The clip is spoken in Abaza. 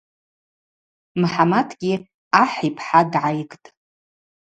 Мхӏаматгьи ахӏ йпхӏа дгӏайгтӏ.